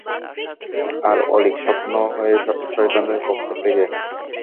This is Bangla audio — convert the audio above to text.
আর অলীক স্বপ্ন হয় শয়তানের পক্ষ থেকে।